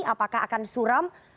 apakah akan suram